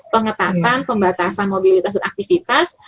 pengetatan pembatasan mobilitas dan aktivitas